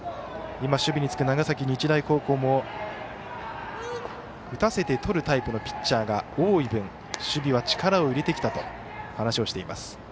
今、守備につく長崎日大高校も打たせてとるタイプのピッチャーが多い分、守備は力を入れてきたと話をしています。